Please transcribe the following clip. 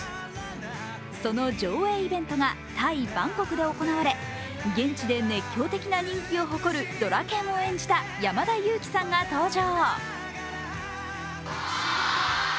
その上映イベントがタイ・バンコクで行われ、現地で熱狂的な人気を誇るドラケンを演じた山田裕貴さんが登場。